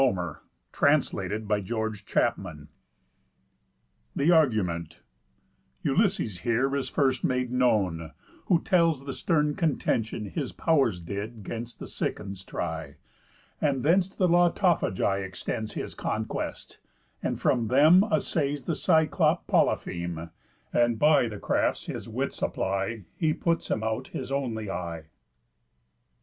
THE NINTH BOOK OF HOMER'S ODYSSEYS THE ARGUMENT Ulysses here is first made known; Who tells the stern contention His pow'rs did 'gainst the Cicons try; And thence to the Lotophagi Extends his conquest; and from them Assays the Cyclop Polypheme, And, by the crafts his wits apply, He puts him out his only eye.